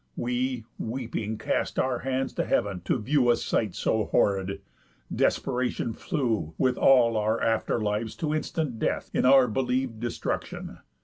We, weeping, cast our hands to heav'n, to view A sight so horrid. Desperation flew, With all our after lives, to instant death, In our believ'd destruction.